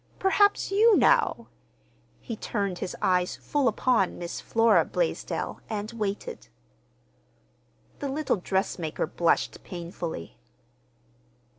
Perhaps you, now—" He turned his eyes full upon Miss Flora Blaisdell, and waited. The little dressmaker blushed painfully.